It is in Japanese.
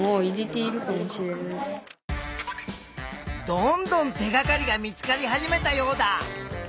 どんどん手がかりが見つかり始めたヨウダ！